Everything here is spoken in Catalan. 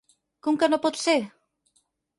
Com que no pot ser?